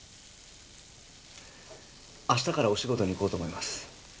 明日からお仕事に行こうと思います